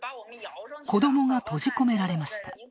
子どもが閉じ込められました。